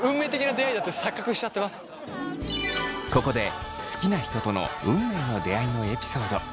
ここで好きな人との運命の出会いのエピソード。